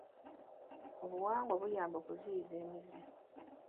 Obuwangwa buyamba okuziyiza emize.